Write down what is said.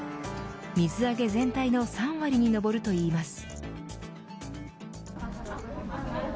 水揚げ全体の３割に上るといいます。